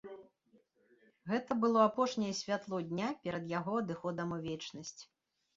Гэта было апошняе святло дня перад яго адыходам у вечнасць.